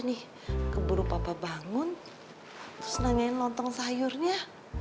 nih keburu papa bangun terus nanyain lontong sayurnya